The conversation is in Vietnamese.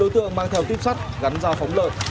tám mươi đối tượng mang theo tiếp sắt gắn ra phóng lợn